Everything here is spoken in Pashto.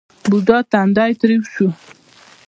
بوډا تندی ترېو شو.